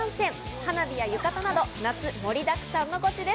花火や浴衣など夏盛りだくさんのゴチです。